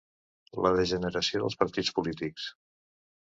La degeneració dels partits polítics.